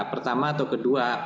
pertama atau kedua